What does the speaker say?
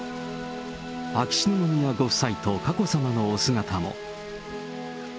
秋篠宮ご夫妻と佳子さまのお姿も。